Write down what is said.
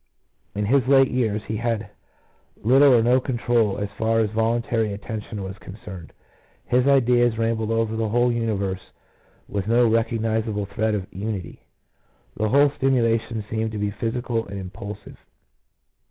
In his late years he had little or no control as far as voluntary attention was con cerned, his ideas rambled over the whole universe with no recognizable thread of unity; the whole stimula tion seemed to be physical and impulsive.